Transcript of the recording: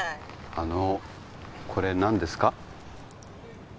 あのこれ何ですか？